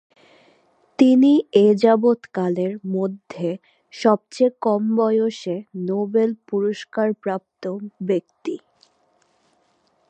তিনি এযাবৎকালের মধ্যে সবচেয়ে কম বয়সে নোবেল পুরস্কারপ্রাপ্ত ব্যক্তি।